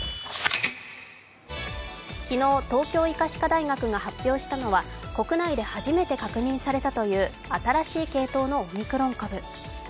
昨日東京医科歯科大学が発表したのは国内で初めて確認されたという新しい系統のオミクロン株。